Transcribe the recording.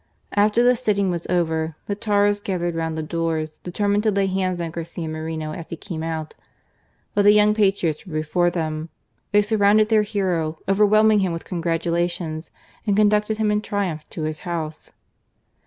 After the sitting was over, the Tauras gathered round the doors, determined to lay hands on Garcia Moreno as he came out. But the young patriots were before them. They surrounded their hero, overwhelming him with congratulations and conducted him in triumph to his house.